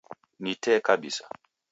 Ni tee kabisa.